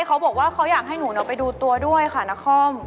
เขาบอกว่าเขาอยากให้หนูไปดูตัวด้วยค่ะนคร